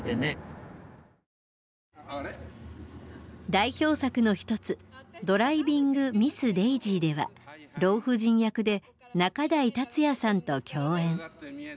代表作の一つ「ドライビング・ミス・デイジー」では老婦人役で仲代達矢さんと共演。